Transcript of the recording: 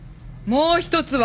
もう一つは！